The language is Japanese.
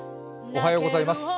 おはようございます。